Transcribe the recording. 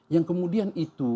yang kemudian itu